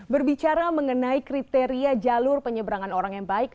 berbicara mengenai kriteria jalur penyeberangan orang yang baik